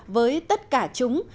với tất cả chúng